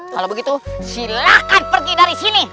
kalau begitu silahkan pergi dari sini